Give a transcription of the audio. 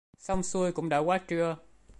Xong xuôi cũng đã quá trưa